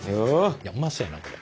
いやうまそうやなこれ。